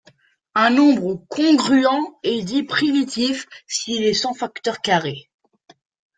Un nombre congruent est dit primitif s'il est sans facteur carré.